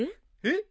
えっ？